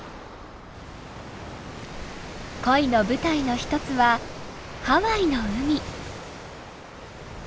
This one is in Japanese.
恋の舞台の一つはハワイの海。